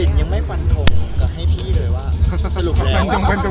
ลินยังไม่ฟันธงก็ให้พี่เลยว่าสรุปแล้ว